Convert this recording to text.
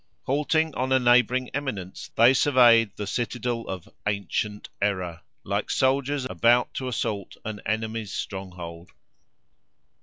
Halting on a neighbouring eminence they surveyed the citadel of Ancient Error, like soldiers about to assault an enemy's stronghold.